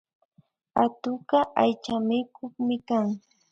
Atukka aychamikuk kan